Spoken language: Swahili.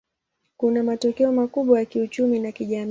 Kuna matokeo makubwa ya kiuchumi na kijamii.